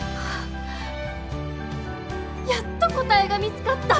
やっと答えが見つかった！